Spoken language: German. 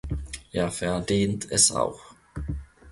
Er verdient es auch.